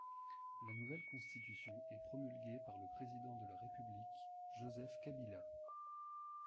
La nouvelle constitution est promulguée le par le président de la République, Joseph Kabila.